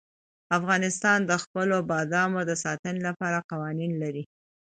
افغانستان د خپلو بادامو د ساتنې لپاره قوانین لري.